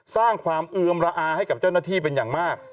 สร้างความเอือมระอาให้กับเจ้าหน้าที่เป็นอย่างมาก